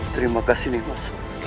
terima kasih nihmas